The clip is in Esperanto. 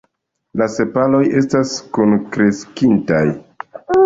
La sepaloj estas kunkreskintaj.